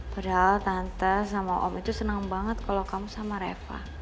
padahal tante sama om itu senang banget kalau kamu sama reva